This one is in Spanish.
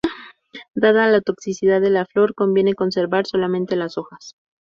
Dada la toxicidad de la flor, conviene conservar solamente las hojas.